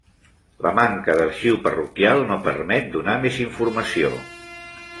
La manca d'arxiu parroquial no permet donar més informació.